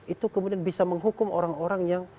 itu kemudian bisa menghukum orang orang yang